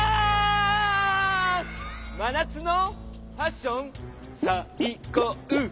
まなつのファッションさいこう！